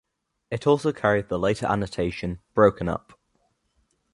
It also carried the later annotation "Broken up".